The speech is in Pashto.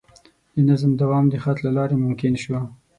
د نظم دوام د خط له لارې ممکن شو.